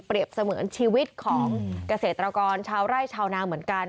เสมือนชีวิตของเกษตรกรชาวไร่ชาวนาเหมือนกัน